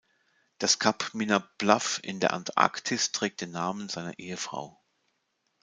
Das Kap Minna Bluff in der Antarktis trägt den Namen seiner Ehefrau.